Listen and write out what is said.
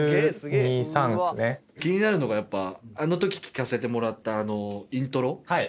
気になるのがやっぱあの時聴かせてもらったあのイントロ？